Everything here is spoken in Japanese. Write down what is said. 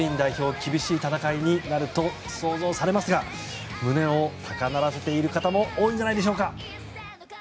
厳しい戦いになると想像されますが胸を高鳴らせている方も多いんじゃないでしょうか。